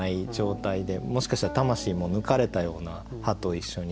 もしかしたらたましいも抜かれたような歯と一緒に。